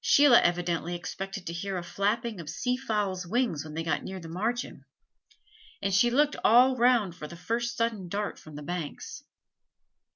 Sheila evidently expected to hear a flapping of sea fowls' wings when they got near the margin; and looked all round for the first sudden dart from the banks.